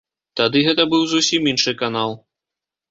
Тады гэта быў зусім іншы канал.